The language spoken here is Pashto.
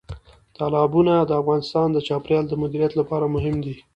تالابونه د افغانستان د چاپیریال د مدیریت لپاره مهم دي.